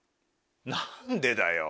何でだよ。